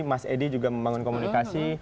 mas edi juga membangun komunikasi